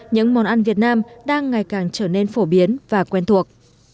những món ăn việt nam đang ngày càng trở nên phổ biến và quen thuộc